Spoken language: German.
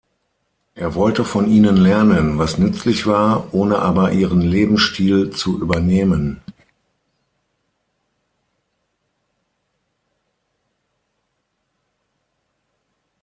Er wollte von ihnen lernen, was nützlich war, ohne aber ihren Lebensstil zu übernehmen.